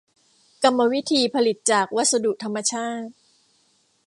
กรรมวิธีผลิตจากวัสดุธรรมชาติ